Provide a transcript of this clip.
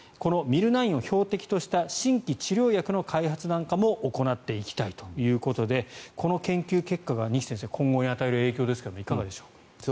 このＭｙｌ９を標的とした新規治療薬の開発なんかも行っていきたいということでこの研究結果が、二木先生今後に与える影響ですがいかがでしょうか。